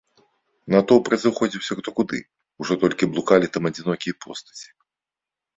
Натоўп разыходзіўся хто куды, ужо толькі блукалі там адзінокія постаці.